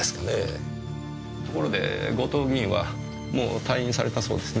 ところで後藤議員はもう退院されたそうですね？